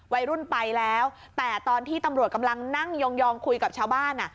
วัยรุ่นไปแล้วแต่ตอนที่ตำรวจกำลังนั่งยองคุยกับชาวบ้านอ่ะ